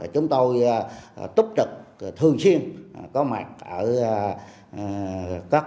chúng tôi túc trực thường xuyên có mặt ở các